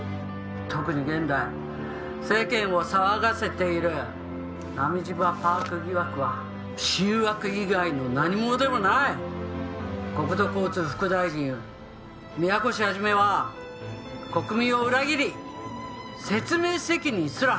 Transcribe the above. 「特に現在世間を騒がせている波島パーク疑惑は醜悪以外の何ものでもない！」「国土交通副大臣宮越肇は国民を裏切り説明責任すら果たしていない」